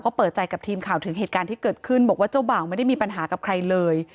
ก็เปิดใจกับทีมข่าวถึงเหตุการณ์ที่เกิดขึ้นบอกว่าเจ้าบ่าวไม่ได้มีปัญหากับใครเลย